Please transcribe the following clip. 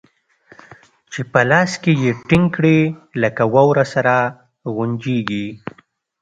چې په لاس کښې يې ټينګ کړې لکه واوره سره غونجېږي.